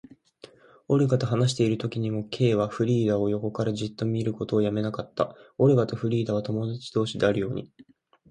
オルガと話しているときにも、Ｋ はフリーダを横からじっと見ることをやめなかった。オルガとフリーダとは友だち同士であるようには見えなかった。